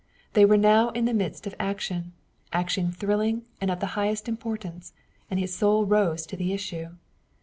They were now in the midst of action, action thrilling and of the highest importance, and his soul rose to the issue.